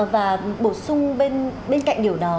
và bổ sung bên cạnh điều đó